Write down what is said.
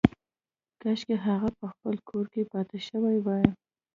کاشکې هغه په خپل کور کې پاتې شوې وای